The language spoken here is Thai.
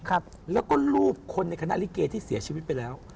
ครับแล้วก็รูปคนในคณะลิเกที่เสียชีวิตไปแล้ว